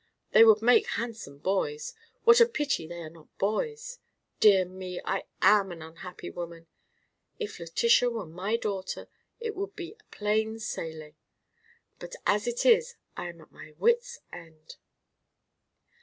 They would make handsome boys. What a pity they are not boys. Dear me, I am an unhappy woman. If Letitia were my daughter, it would be plain sailing, but as it is I am at my wits' end."